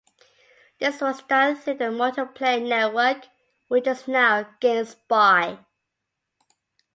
This was done through the multiplayer network which is now GameSpy.